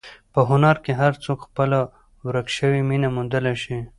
په هنر کې هر څوک خپله ورکه شوې مینه موندلی شي.